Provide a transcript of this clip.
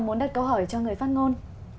muốn đặt câu hỏi cho người phát ngôn